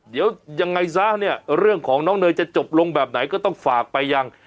เดี๋ยวยังไงซะเนี่ยเรื่องของน้องเนยจะจบลงแบบไหนก็ต้องฝากไปยัง